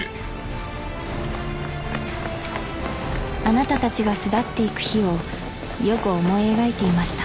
「あなたたちが巣立っていく日をよく思い描いていました」